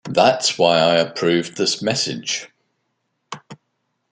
That's why I approved this message.